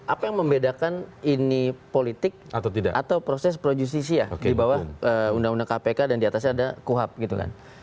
apa yang membedakan ini politik atau proses pro justisia di bawah undang undang kpk dan diatasnya ada kuhab gitu kan